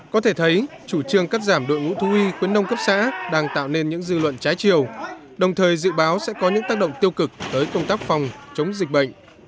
có thể thấy chủ trương cắt giảm đội ngũ thú y khuyến đông cấp xã đang tạo nên những dư luận trái chiều đồng thời dự báo sẽ có những tác động tiêu cực tới công tác phòng chống dịch bệnh